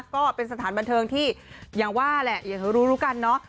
ก็เป็นสถานบันเทิงที่อย่างว่าแหละอย่างรู้รู้กันเนาะ